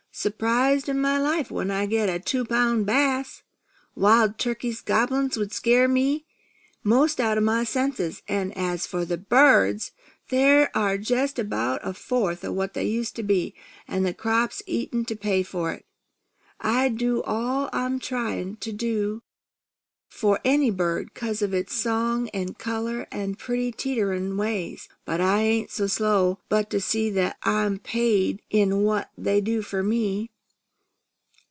Surprise o' my life if I get a two pound bass. Wild turkey gobblin' would scare me most out of my senses, an', as for the birds, there are jest about a fourth what there used to be, an' the crops eaten to pay for it. I'd do all I'm tryin' to for any bird, because of its song an' colour, an' pretty teeterin' ways, but I ain't so slow but I see I'm paid in what they do for me.